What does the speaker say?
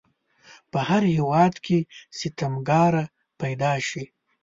په هر هیواد کې ستمکاره پیداشي.